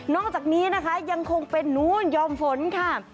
จากนี้นะคะยังคงเป็นนู้นยอมฝนค่ะ